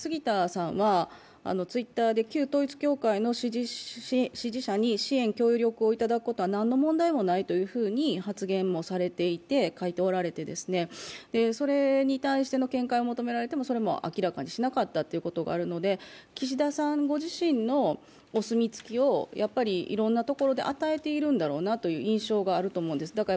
杉田さんはＴｗｉｔｔｅｒで旧統一教会の支持者に支援協力をいただくことは何の問題もないと発言もされていて、書いておられてそれに対しての見解を求められてもそれも明らかにしなかったということがあるので岸田さんご自身のお墨付きをいろんなところで与えているんだろうなという印象があります。